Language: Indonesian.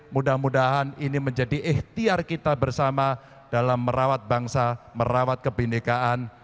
mudah mudahan ini menjadi ikhtiar kita bersama dalam merawat bangsa merawat kebhindekaan